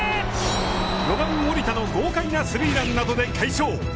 ４番森田の豪快なスリーランなどで快勝。